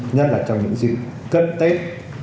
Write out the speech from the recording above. nhất là trong những dịp cân tết